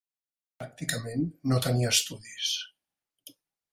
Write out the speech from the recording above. Pràcticament no tenia estudis.